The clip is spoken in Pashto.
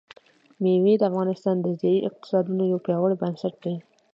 مېوې د افغانستان د ځایي اقتصادونو یو پیاوړی بنسټ دی.